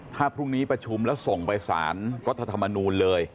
ถ้าพรุ่งนี้ประชุมแล้วส่งไปสารรัฐธรรมนูลเลย